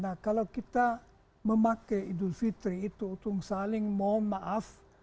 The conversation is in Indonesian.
nah kalau kita memakai idul fitri itu untuk saling mohon maaf